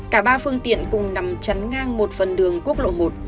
cả ba phương tiện cùng nằm chắn ngang một phần đường quốc lộ một